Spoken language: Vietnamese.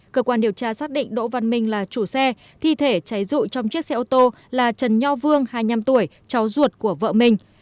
cơ quan điều tra xác định đỗ văn minh là chủ xe thi thể cháy rụi trong chiếc xe ô tô là trần nho vương hai mươi năm tuổi cháu ruột của vợ mình